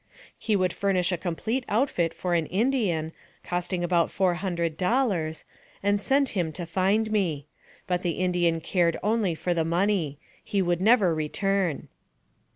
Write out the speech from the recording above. He would furnish a complete outfit for an Indian, costing about four hundred dollars, and send him to find me ; but the Indian cared only for the money ; he would never return.